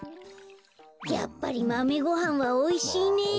やっぱりマメごはんはおいしいねえ。